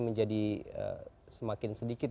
menjadi semakin sedikit